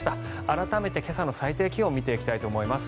改めて今朝の最低気温を見ていきたいと思います。